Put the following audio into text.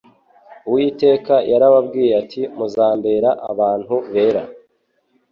Uwiteka yarababwiye ati : "Muzambera abantu bera."